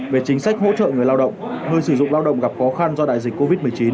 về chính sách hỗ trợ người lao động người sử dụng lao động gặp khó khăn do đại dịch covid một mươi chín